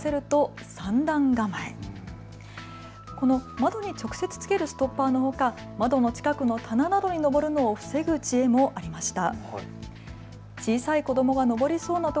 窓に直接付けるストッパーのほか窓の近くの棚などに上るのを防ぐ知恵もありました。